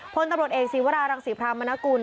พลตำรวจเอกศีวรารังศรีพรามนกุล